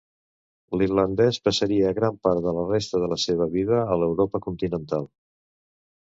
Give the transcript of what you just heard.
L'irlandès passaria gran part de la resta de la seva vida a l'Europa continental.